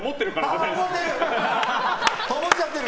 ああ、思ってる！